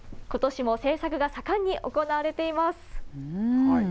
ことしも制作が盛んに行われています。